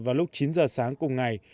vào lúc chín giờ sáng cùng ngày